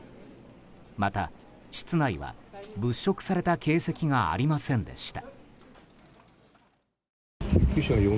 また、室内は物色された形跡がありませんでした。